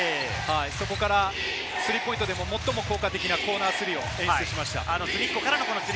そこからスリーポイントで最も効果的なコーナースリーを決めました。